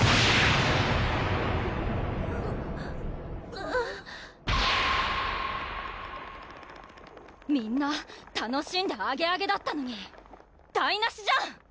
あっみんな楽しんでアゲアゲだったのに台なしじゃん！